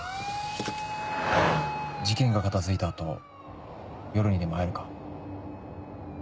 事件が片付いた後夜にでも会えるか？